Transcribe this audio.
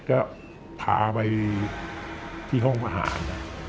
ก็พาไปที่ห้องอาหาร